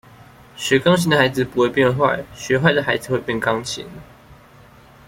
學鋼琴的孩子不會變壞，學壞的孩子會變鋼琴